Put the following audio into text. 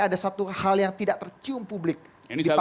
atau ada hal yang tidak tercium publik di panggung depan